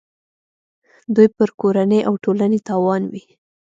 دوی پر کورنۍ او ټولنې تاوان وي.